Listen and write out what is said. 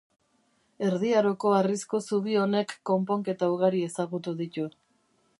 Erdi Aroko harrizko zubi honek konponketa ugari ezagutu ditu.